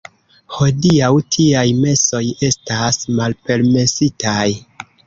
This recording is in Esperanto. Hodiaŭ tiaj mesoj estas malpermesitaj.